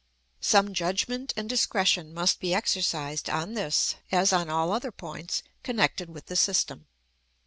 Some judgment and discretion must be exercised on this as on all other points connected with the system.